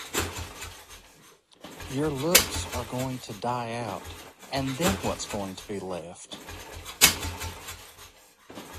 Your looks are going to die out, and then what's going to be left?